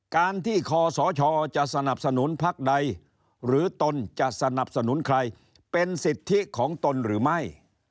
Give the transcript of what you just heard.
การที่คอสชจะสนับสนุนพักใดหรือตนจะสนับสนุนใครเป็นสิทธิของตนหรือไม่